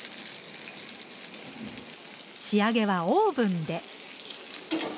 仕上げはオーブンで。